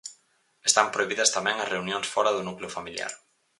Están prohibidas tamén as reunións fora do núcleo familiar.